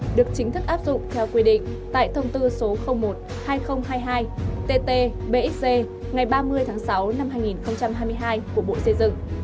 hộ nghèo được xây dựng theo quy định tại thông tư số một hai nghìn hai mươi hai tt bxg ngày ba mươi tháng sáu năm hai nghìn hai mươi hai của bộ xây dựng